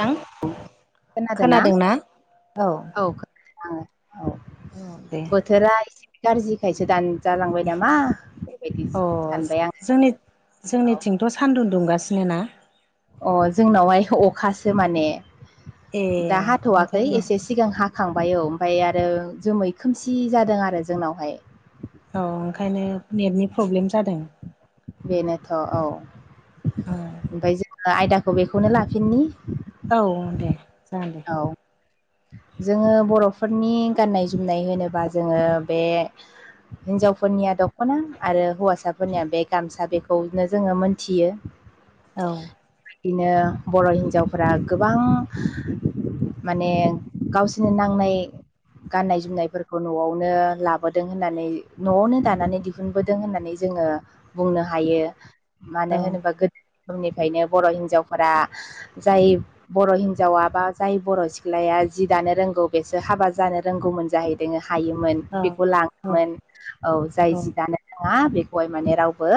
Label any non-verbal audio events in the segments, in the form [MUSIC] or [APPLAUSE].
थां औ खोनादों ना खोनादोंना? औ खोनादों आंङो औ औ दे बोथोरा एसे गाज्रिखायसो दानजालांबाय नामा बेबायदि अ सानबाय आं जोंनि जोंनिथिंथ' सानदुं दुंगासिनो ना अ जोंनावहाय अखासो माने ए दा हाथ'वाखै ओंखायनो एसे सिगां हाखांबाय औ ओमफ्राय आरो जोमै खोमसि जादों आरो जोंनावहाय औ ओंखायनो नेटनि प्रब्लेम जादों बेनोथ' औ औ ओमफ्राय जोङो आयदाखौ बेखौनो लाफिननि औ दे जागोन दे औ जोंङो बर'फोरनि गाननाय जोमनाय होनोबा जोंङो बे हिनजावफोरनिया दख'ना आरो हौवासाफोरनिया बे गामसा बेखौनो जोंङो मोनथियो [INAUDIBLE] औ बिदिनो बर' हिन्जावफोरा गोबां माने गावसोरनि नांनाय गाननाय जोमनायफोरखौ न'आवनो लाबोदों होननानै न'आवनो दानानै दिहुन थफुनबोदों होननानै जोंङो बुंनो हायो मानो औ होनोबा गोदो समनिफ्रायनो बर' हिनजावफोरा जाय बर' हिनजाव बा जाय बर' सिख्लाया जि दानो रोंगौ बेसो हाबा जानो रोंगौमोन जाहैदों हायोमोन औ बेखौ औ लांङोमोन औ जाय जि दानो रोंङा बेखौहाय माने रावबो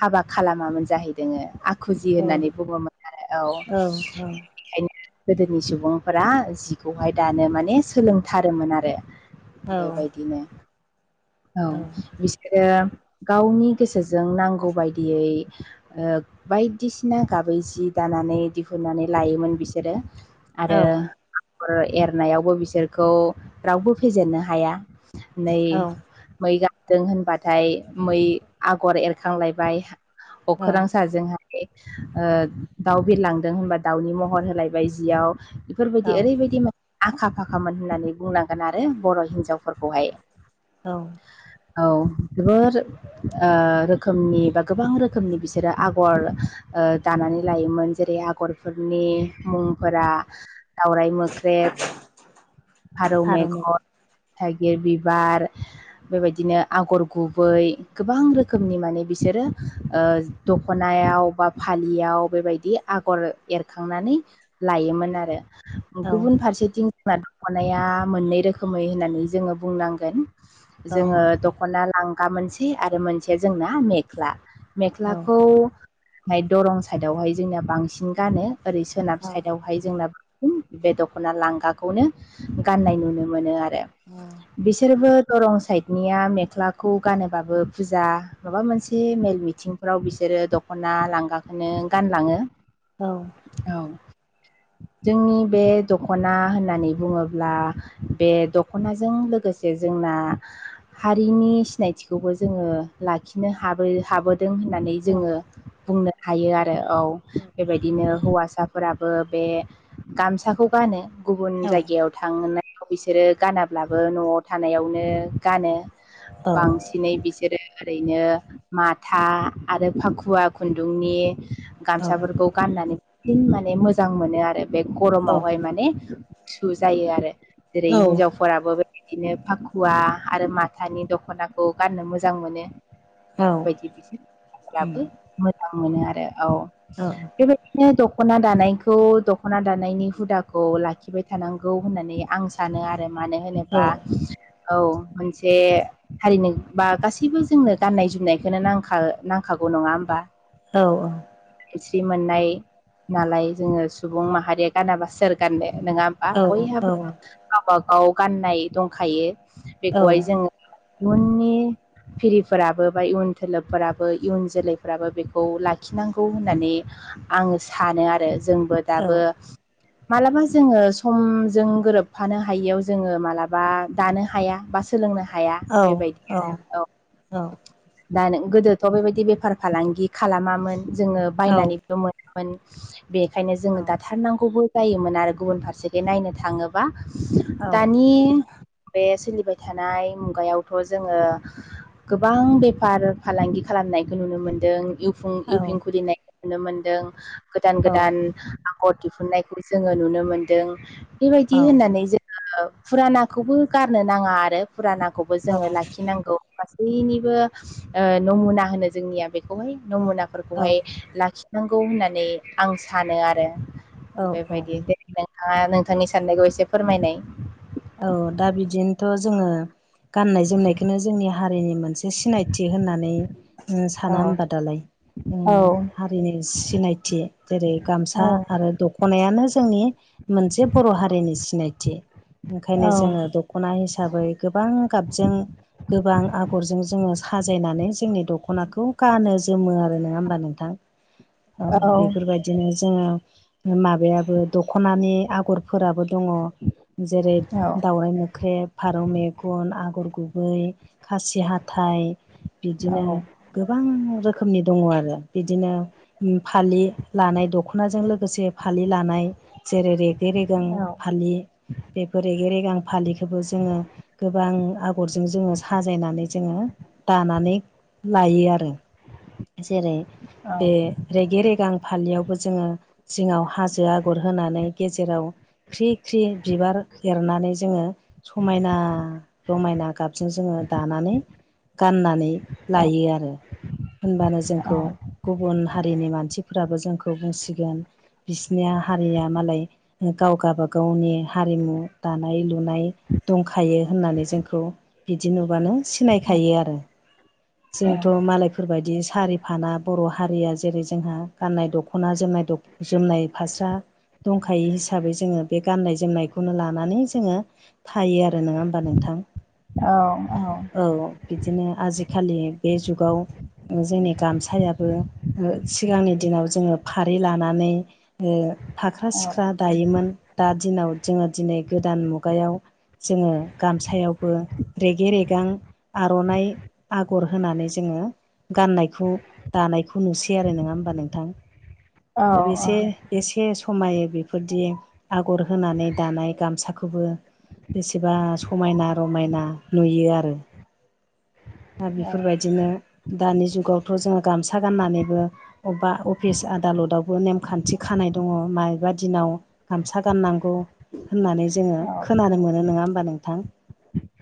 हाबा खालामामोन जाहैयामोन जाहैदों खुजि औ होननानै बुंङोमोन आरो औ ओंखायनो गोदोनि सुबुं सुबुंफोरा जिखौहाय दानो माने सोलोंथारोमोन आरो बेबायदिनो औ बिसोरो गावनि गोसोजों नांगौ बायदियै बायदिसिना गाबै जि दानानै दिहुननानै लायोमोन बिसोरो आरो आगर एरनायावबो बिसोरखौ रावबो फेजेननो हाया नै औ मै गारदों होनबाथाय मै आगर एरखांलायबाय अखोरां साजोंहाय ओ दाउ बिरलांदों होनबा दाउनि महर होलायबाय जियाव औ बेफोरबायदि ओरैबायदि मा आखा फाखामोन होननानै बुंनांगोन आरो बर' हिनजावफोरखौहाय औ औ जोबोर ओ रोखोमनि बा गोबां रोखोमनि बिसोरो आगर ओ दानानै लायोमोन जेरै आगरफोरनि मुं फोरा दावराइ मोख्रेब फारौ मेगन थाइगिर बिबार बेबायदिनो आगर गुबै गोबां रोखोमनि माने बिसोरो ओ दखनायाव बा फालियाव बेबायदि आगर एरखांनानै लायोमोन आरो औ गुबुन फारसेथिं जोंना दख'नाया मोननै रोखोमै होननानै जोङो बुंनांगोन। औ जोङो दख'ना लांगा मोनसे आरो मोनसे जोंना मेख्ला। औ मेख्लाखौ हाय दरं साइदआवहाय जोंना बांसिन गानो ओरै सोनाब औ साइडआव बेहाय जोंना बांसिन बे दख'ना लांगाखौनो गाननाय नुनो मोनो आरो। बिसोरबो दरं साइडनिया मेख्लाखौ गानोबाबो फुजा माबा मोनसे मेल मिथिं फ्राव बिसोरो दख'ना लांगाखोनो गानलाङो औ औ जोंनि बे दख'ना होननानै बुङोब्ला बे दख'नाजों लोगोसे जोंना हारिनि सिनायथिखौबो जोङो लाखिनो हाबो हाबो होननानै जोङो बुंनो हायो आरो औ बेबायदिनो हौवासा फोराबो बे गामसाखौ गानो गुबुन जायगायाव थांनायाव बिसोरो गानाब्लाबो न'आव थानायावनो गानो बांसि नै बिसोरो ओरैनो माथा आरो फाखुवा खुन्दुंनि औ गामसाफोरखौ गाननानै बन माने मोजां मोनो आरो बे औ गरमावहाय माने गुसु जायो आरो जेरै औ हिनजाव फोराबो बेबायदिनो फाखुवा आरो माथानि दख'नाखौ गाननो मोजां मोनो। उम [UNINTELLIGIBLE] मोजां मोनो आरो औ औ बेबाय बिदिनो दख'ना दानायखौ दख'ना दानायनि हुदाखौ लाखिबाय थानांगौ होननानै आं सा सानो आरो मानो औ होनोबा औ मोनसे हारिनो बा गासैबो जोंनो गाननाय जोमनायखौनो नांखा नांखागौ नङा होमबा। औ औ खस्रि मोननाय नालाय जोङो सुबुं माहारिया गानाबा सोर गाननो नोंङा आ औ बयहाबो गावबा गाव गाननाय दंखायो औ बेखौहाय जोङो इयुननि फिरिफोराबो बा इयुन खोलोबफोराबो इयुन जोलैफोराबो बेखौ लाखिनांगौ होननानै आङो सानो आरो जोंबो दाबो मालाबा जोङो समजों गोरोबफानो हायैयाव जोङो मालाबा दानो हाया बा सोलोंनो हाया औ बेबायदिनो औ दा नों गोदोथ' बेबायदि बेफार फालांगि खालामामोन जोङो बायनानै मोनोमोन बेखायनो जोङो दाथारनांगौबो जायोमोन आरो गुबुन फारसेथिं नायनो थाङो बा दानि बे सोलिबाय थानाय मुगायावथ' जोङो गोबां बेफार फालांगि खालामनायखौ नुनो मोनदों। इउ फुं इउफिं खुलिनायखौ नुनो मोनदों गोदान गोदान आगर दिहुननायखौ जोङो नुनो मोनदों बेबायदि होननानै जों फुरानाखौबो गारनो नाङा आरो फुरानाखौबो जोङो लाखिनांगौ गासैनिबो ओ नमुना होनो जोंनिया बेखौनो नमुना फोरखौहाय लाखिनांगौ होननानै आं सानो आरो। औ औ औ बेबायदि दिेनै नोंथाङा नोंथांनि साननायखौ एसे फोरमायनाय। औ दा बिदिनोथ' जोङो गाननाय जोमनायखौोजोंनि हारिनि मोनसे सिनायथि होननानै जोङो औ साना होमबा दालाय। औ हारिनि सिनायथि जेरै औ गामसा आरो दख नायानो जोंनि मोनसे बर' हारिनि सिनायथि। ओंखायनो जोङो औ दख'ना हिसाबै गोबां गाबजों गोबां आगरजों जोङो साजायनानै जोंनि दख'नाखौ गानो जोमो आरो नङा होमबा नोंथां औ बेफोरबायदि बिदिनो जोङो माबायाबो दख'नानि आगरफोराबो दङ जेरै दावराइ मोख्रेब फारौ मेगन आगर गुबै खासि हाथाइ बिदिनो औ गोबां रोखोमनि दङ आरो बिदिनो फालि लानाय दखनाजों लोगोसे फालि लानाय जेरै रै रेगे रेगां औ फालि बेफोरखौ रेगां फालिखौबो जोङो गोबां आगरजों जोङो साजायनानै जोङो दानानै लायो आरो जेरै औ बे रेगे रेगां फालियावबो जोङो जिङाव हाजो आगर होनानै गेजेराव ख्रि ख्रि बिबार एरनानै जोङो समायना रमायना गाब बिनो जोङो दानानै गाननानै लायो आरो होनबानो जोंखौ गुबुन हारिनि मानसिफोराबो जोंखौ बुंसिगोन बिसिनिया हारिया मालाय गाव गाबागावनि हारिमु दानाय लुनाय दंखायो होननानै जोंखौ बिदि नुबानो सिनायखायो आरो जोंथ' मालायफोरबायदि सारिफाना बर' हारिया जेरै जोंहा गाननाय दख'ना जोमनाय जोमनाय फास्रा दंखायो हिसाबै जोङो बे गाननाय जोमनायखौनो लानानै जोङो थायो आरो नङा होमबा नोंथां औ औ औ बिदिनो आजिखालि बे जुगाव जोंनि गामसायाबो सिगांनि दिनाव जोङो फारि लानानै फाख्रा सिख्रा दायोमोन दा दिनाव जोङो दिनै गोदान मुगायाव जोङो गामसायावबो रेगे रेगां आर'नाइ आगर होनानै जोङो गाननायखौ दानायखौ नुसै आरो नङा होमबा नोंथां दा बेसे एसे समायो बेफोरदि आगर होनानै दानाय गामसाखौबो बेसेबा समायना रमायना नुयो आरो दा बेफोरबायदिनो दानि जुगावथ' जोङो गामसा गाननानैबो अबेबा अफिस आदालतावबो नेमखान्थि खानाय दङ मायबा दिनाव गामसा गाननांगौ होननानै जोङो खोनानो मोनो नङा होमबा नोंथां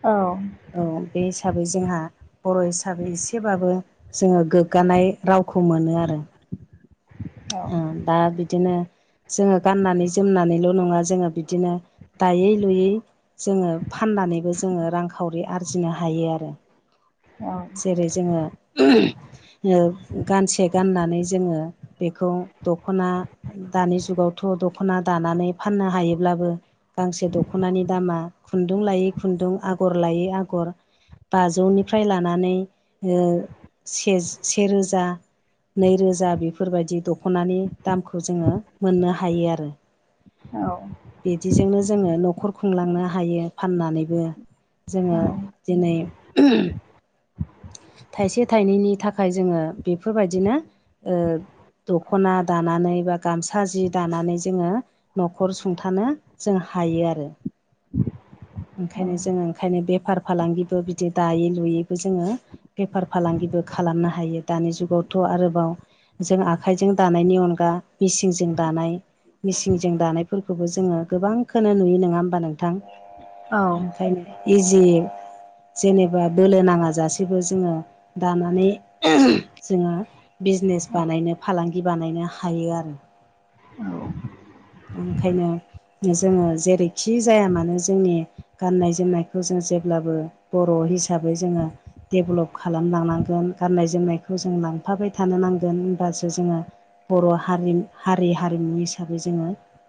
औ औ बे हिसाबै जोंहा बर' हिसाबै एसेबाबो जोङो गोग्गानाय रावखौ मोनो आरो दा बिदिनो जोङो गाननानै जोमनानैल' नङा जोङो बिदिनो दायै लुयै जोङो फाननानैबो जोङो रांखावरि आरजिनो हायो आरो जेरै जोङो गानसे गाननानै जोङो बेखौ दख'ना दानि जुगावथ' दख'ना दानानै फाननो हायो अब्लाबो गांसे दख'नानि दामा खुन्दुं लायै खुन्दुं आगर लायै आगर बाजौनिफ्राय लानानै सेरोजा नैरोजा बेफोरबायदि दख'नानि दामखौ जोङो मोननो हायो आरो औ बिदिजोंनो जोङो न'खर खुंलांनो हायो फाननानैबो जोङो दिनै थाइसे थाइनैनि थाखाय जोङो बेफोरबायदिनो दख'ना दानानै बा गामसा जि दानानै जोङो न'खर सुंथानो जों हायो आरो ओंखायनो जोङो ओंखायनो बेफार फालांगिबो बिदि दायै लुयैबो जोङो। बेफार फालांगिबो खालामनो हायो दानि जुगावथ' आरोबाव जों आखाइजों दानायनि अनगा मेसिंजों दानाय मेसिनजों दानायफोरखौबो जोङो गोबांखौनो नुयो नङा होमबा नों ओंखायनो इजि जेनेबा बोलो नाङा जासेबो जोङो दानानै जोङो बिजनेस बानायनो फालांगि बानायनो हायो आरो ओंखायनो जोंङो जेरैखि जाया मानो जोंनि गाननाय जोमनायखौ जों जेब्लाबो बर' हिसाबै जोंङो डेभलप खालामलांनांगोन गाननाय जोमनायखौ जों लांफाबाय थानो नांगोन होनबासो जोंङो। बर' हारि हारि हारिमु हिसाबै जोंङो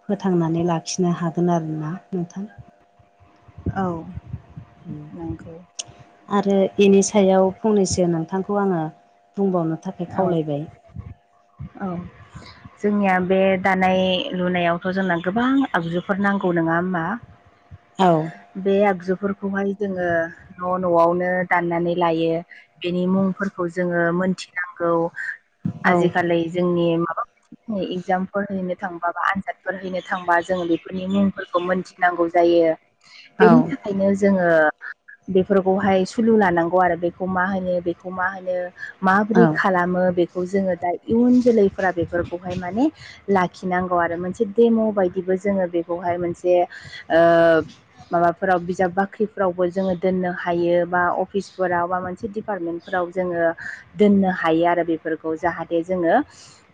फोथांनानै लाखिनो हागोन आरोना नोंथां औ नंगौ उम आरो इनि सायाव फंनैसो नोंथांखौ आङो बुंबावनो थाखाय औ खावलायबाय औ जोंनिया बे दानाय लुनायावथ' जोंना गोबां आगजुफोर नांगौ नङा होमबा औ बे आगजुफोरखौहाय जोङो न' न'आवनो दाननानै लायो बेनि मुंफोरखौ जोङो मोनथिनांगौ औ आजिखालि जोंनि माबा इगजामफोर हैनो थांबा बा आनजादफोर हैनो थांबा जोङो बेफोरनि मुंफोरखौ मोनथि नांगौ जायो औ बेनि थाखायनो जोंङो बेफोरखौहाय सुलु लानांगौ आरो बेखौ मा होनो बेखौ मा होनो। औ माबोरै खालामो बेखौ जोङो दा इयुन जोलैफोरा बेफोरखौहाय माने लाखिनांगौ आरो मोनसे दडेम' बायदिबो जोङो बेखौहाय मोनसे ओ माबाफोराव बिजाब बाख्रिफोरावबो जोङो दोननो हायो बा अफिसफोराव बा मोनसे डिपार्टमेन्ट फोराव जोङो दोननो हायो आरो बेफोरखौ जाहाथे जोंङो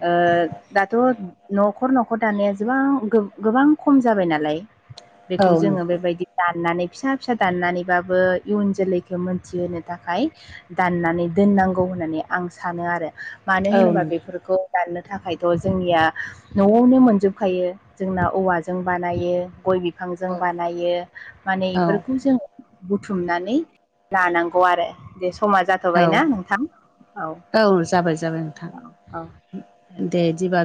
ओ दाथ' न'खर न'खर दानायाबां गोबां खम जाबाय नालाय औ बेखौ जोङो नोंथां बेबायदि दाननानै फिसा फिसा दाननानैबाबो इयुन जोलैखौ मोनथिहोनो थाखाय दाननानै दोननांगौ होननानै आं सानो आरो मानो औ होनोब्ला नोंथां फोरफोरखौ दाननो थाखायथ' जोंनिया न'आवनो मोनजोबखायो जोंना औवाजों बानायो गय बिफांजों बानायो माने औ बेफोरखौ जों बुथुमनानै लानांगौ आरो जे समा औ जाथ'बायना नोंथां औ औ जाबाय जाबाय नोंथां औ औ दे बिदिबा